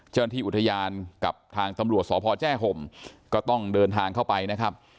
เจ้าหน้าที่อุทยานกับทางตำรวจสพแจ้ห่มก็ต้องเดินทางเข้าไปนะครับ